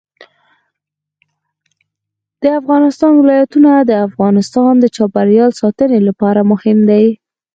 د افغانستان ولايتونه د افغانستان د چاپیریال ساتنې لپاره مهم دي.